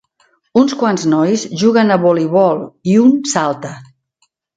Uns quants nois juguen a voleibol i un salta.